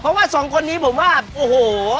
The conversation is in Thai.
เพราะว่าสองคนนี้ผมว่าโอ้โห